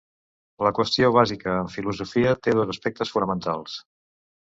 La qüestió bàsica en filosofia té dos aspectes fonamentals.